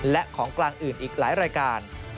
และของกลางอื่นอีกหลายรายการ